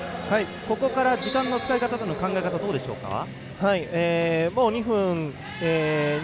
ここから時間の使い方への考え方はどうでしょうか？